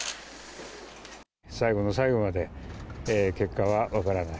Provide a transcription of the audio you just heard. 最後の最後まで結果は分からない。